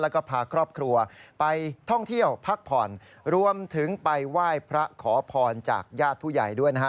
แล้วก็พาครอบครัวไปท่องเที่ยวพักผ่อนรวมถึงไปไหว้พระขอพรจากญาติผู้ใหญ่ด้วยนะฮะ